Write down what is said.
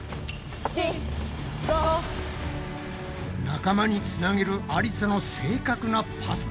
仲間につなげるありさの正確なパス。